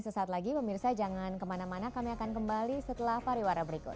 sesaat lagi pemirsa jangan kemana mana kami akan kembali setelah pariwara berikut